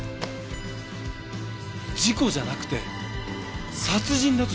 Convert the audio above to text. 事故じゃなくて殺人だとしたら。